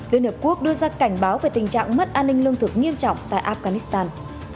liên hợp quốc đưa ra cảnh báo về tình trạng mất an ninh lương thực nghiêm trọng tại afghanistan